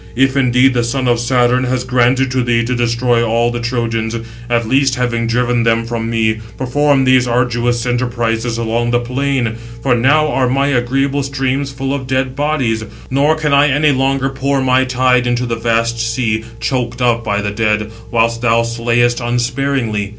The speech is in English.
If indeed the son of Saturn has granted to thee to destroy all the Trojans, at least having driven them from me, perform these arduous enterprises along the plain. For now are my agreeable streams full of dead bodies, nor can I any longer pour my tide into the vast sea, choked up by the dead; whilst thou slayest unsparingly.